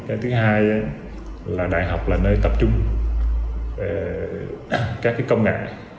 cái thứ hai là đại học là nơi tập trung các công nghệ